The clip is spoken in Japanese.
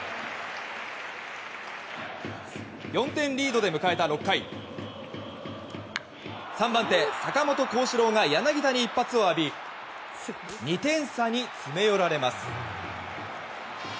４点リードで迎えた６回３番手、坂本光士郎が柳田に一発を浴び２点差に詰め寄られます。